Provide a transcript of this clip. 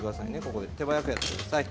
手早くやってください。